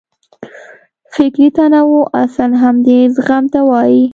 فکري تنوع اصلاً همدې زغم ته وایي.